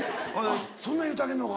あっそんなん言うてあげんのか。